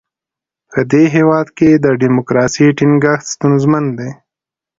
په دې هېواد کې د ډیموکراسۍ ټینګښت ستونزمن دی.